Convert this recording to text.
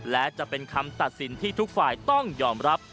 และจะเป็นคำตัดสินที่ทุกฝ่ายต้องยอมรับ